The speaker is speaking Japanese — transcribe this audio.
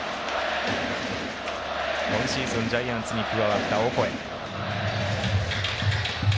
今シーズンジャイアンツに加わったオコエ。